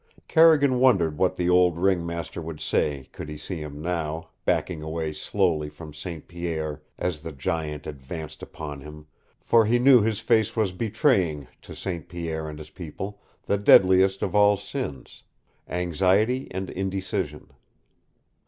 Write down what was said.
Carrigan wondered what the old ring master would say could he see him now, backing away slowly from St. Pierre as the giant advanced upon him, for he knew his face was betraying to St. Pierre and his people the deadliest of all sins anxiety and indecision.